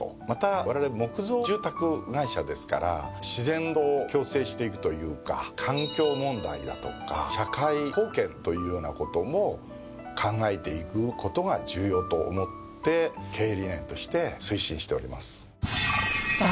またわれわれ木造住宅会社ですから自然と共生していくというか環境問題だとか社会貢献というようなことも考えていくことが重要と思って経営理念として推進しております。